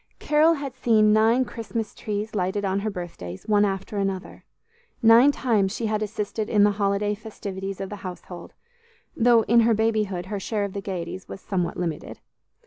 Carol had seen nine Christmas trees lighted on her birthdays, one after another; nine times she had assisted in the holiday festivities of the household, though in her babyhood her share of the gayeties was somewhat limited.